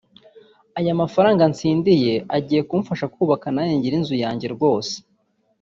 aya mafaranga ntsindiye agiye kumfasha kubaka nanjye ngire inzu yanjye rwose